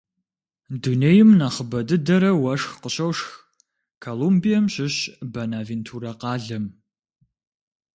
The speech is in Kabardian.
Дунейм нэхъыбэ дыдэрэ уэшх къыщошх Колумбием щыщ Бэнавентурэ къалэм.